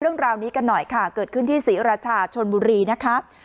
เรื่องราวนี้กันหน่อยค่ะเกิดขึ้นที่ศรีราชาชนบุรีนะคะ